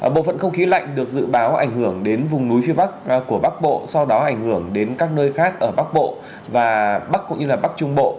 bộ phận không khí lạnh được dự báo ảnh hưởng đến vùng núi phía bắc của bắc bộ sau đó ảnh hưởng đến các nơi khác ở bắc bộ và bắc cũng như bắc trung bộ